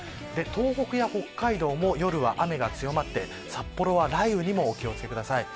東北や北海道も夜は雨が強まって札幌は雷雨にもお気を付けください。